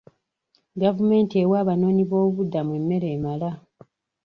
Gavumenti ewa abanoonyi b'obubudamu emmere emala.